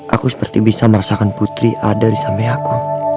aku seperti bisa merasakan putri ada di samping aku